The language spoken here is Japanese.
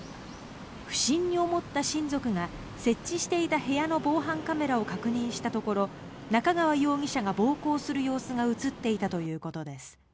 不審に思った親族が設置していた部屋の防犯カメラを確認したところ中川容疑者が暴行する様子が映っていたということです。